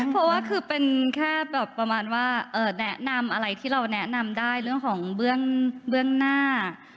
เพราะว่าคือเป็นแค่แบบประมาณว่าแนะนำอะไรที่เราแนะนำได้เรื่องของเบื้องหน้า